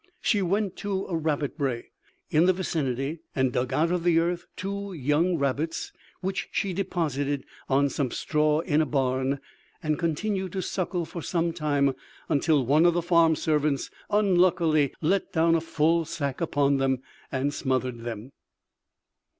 She went to a rabbit brae in the vicinity, and dug out of the earth two young rabbits, which she deposited on some straw in a barn, and continued to suckle for some time, until one of the farm servants unluckily let down a full sack upon them and smothered them.